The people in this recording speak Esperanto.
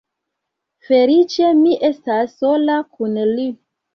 Feliĉe mi estas sola kun li.